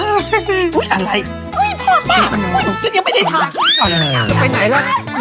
อุ๊ยโทษมากอุ๊ยฉันยังไม่ได้ทาน